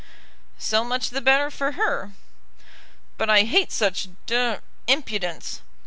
"So much the better for her." "But I hate such d impudence.